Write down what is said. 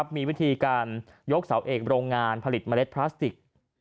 มีวิธีการยกเสาเอกโรงงานผลิตเมล็ดพลาสติก